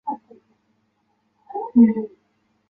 目前已经知道这些离子能与金属中心结合。